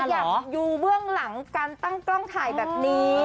น้องเกศว่าอย่าอยู่เบื้องหลังการตั้งกล้องถ่ายแบบนี้